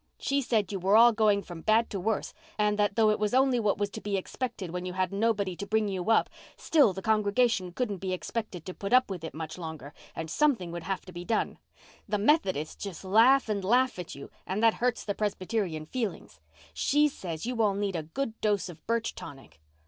She said you were all going from bad to worse and that though it was only what was to be expected when you had nobody to bring you up, still the congregation couldn't be expected to put up with it much longer, and something would have to be done. The Methodists just laugh and laugh at you, and that hurts the Presbyterian feelings. She says you all need a good dose of birch tonic.